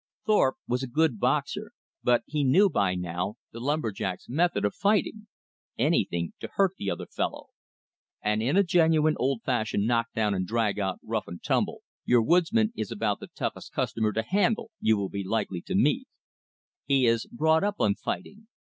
Thorpe was a good boxer, but he knew by now the lumber jack's method of fighting, anything to hurt the other fellow. And in a genuine old fashioned knock down and drag out rough and tumble your woodsman is about the toughest customer to handle you will be likely to meet. He is brought up on fighting.